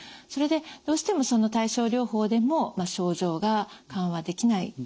それでどうしてもその対症療法でも症状が緩和できない。